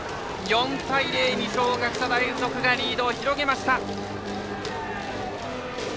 ４対０二松学舎大付属がリードを広げました。